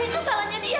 itu salahnya dia